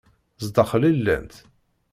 Zdaxel i llant.